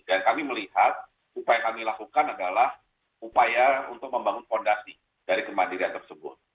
dan kami melihat upaya yang kami lakukan adalah upaya untuk membangun fondasi dari kemandirian tersebut